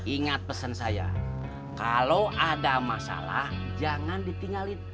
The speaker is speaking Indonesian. ingat pesan saya kalau ada masalah jangan ditinggalin